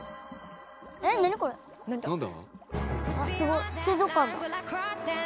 すごっ水族館だ。